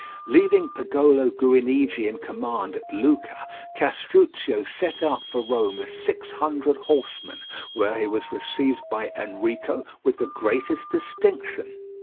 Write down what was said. Leaving Pagolo Guinigi in command at Lucca, Castruccio set out for Rome with six hundred horsemen, where he was received by Enrico with the greatest distinction.